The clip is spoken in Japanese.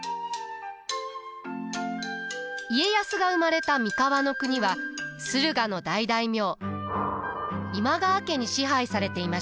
家康が生まれた三河国は駿河の大大名今川家に支配されていました。